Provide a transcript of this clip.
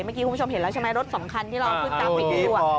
เมื่อกี้คุณผู้ชมเห็นแล้วใช่ไหมรถสำคัญที่เราเอาขึ้นกับไปดีกว่า